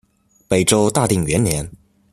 北周大定元年。